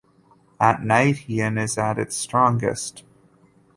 At night, yin is at its strongest.